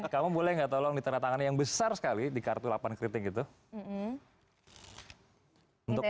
kamu boleh nggak tolong di tena tangan yang besar sekali di kartu delapan kriting itu untuk